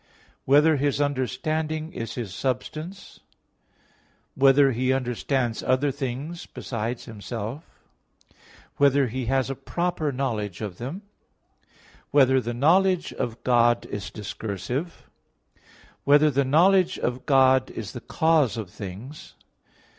(4) Whether His understanding is His substance? (5) Whether He understands other things besides Himself? (6) Whether He has a proper knowledge of them? (7) Whether the knowledge of God is discursive? (8) Whether the knowledge of God is the cause of things?